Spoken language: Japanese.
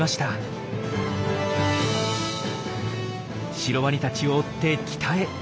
シロワニたちを追って北へ。